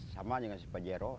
sama dengan si pajero